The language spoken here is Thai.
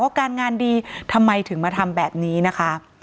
การงานดีทำไมถึงมาทำแบบนี้นะคะ